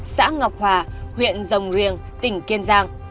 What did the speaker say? xã ngọc hòa huyện rồng riêng tỉnh kiên giang